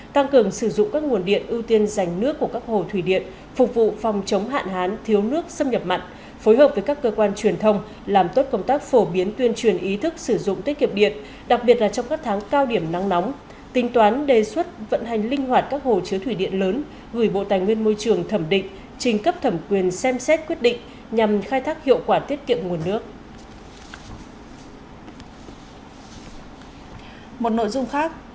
tăng cường sử dụng các nguồn điện ưu tiên dành nước của các hồ thủy điện phục vụ phòng chống hạn hán thiếu nước xâm nhập mặn phối hợp với các cơ quan truyền thông làm tốt công tác phổ biến tuyên truyền ý thức sử dụng tiết kiệm điện đặc biệt là trong các tháng cao điểm nắng nóng tinh toán đề xuất vận hành linh hoạt các hồ chứa thủy điện lớn gửi bộ tài nguyên môi trường thẩm định trình cấp thẩm quyền xem xét quyết định nhằm khai thác hiệu quả tiết kiệm nguồn nước